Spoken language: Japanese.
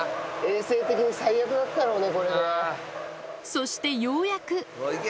そしてようやくいけ！